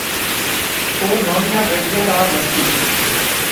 اوہ نویں گڈیا راں لیتھِی